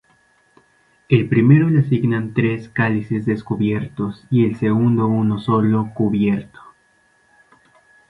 El primero le asigna tres cálices descubiertos, el segundo uno solo, cubierto.